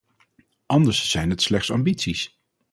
Anders zijn het slechts ambities.